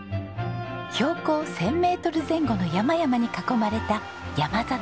標高１０００メートル前後の山々に囲まれた山里です。